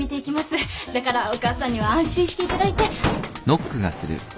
だからお母さんには安心していただいて。